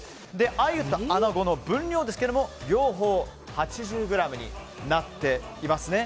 アユとアナゴの分量ですが両方８０ｇになっていますね。